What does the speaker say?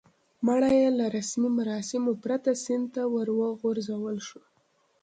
مړی یې له رسمي مراسمو پرته سیند ته ور وغورځول شو.